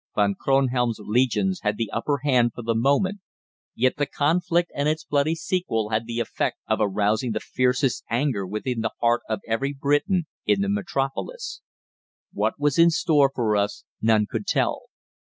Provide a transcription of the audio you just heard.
Von Kronhelm's legions had the upper hand for the moment, yet the conflict and its bloody sequel had the effect of arousing the fiercest anger within the heart of every Briton in the metropolis. What was in store for us none could tell.